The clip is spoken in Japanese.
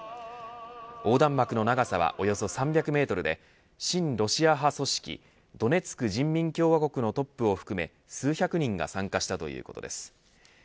横断幕の長さはおよそ３００メートルで親ロシア派組織ドネツク人民共和国のトップを含め数百人が参加したということです。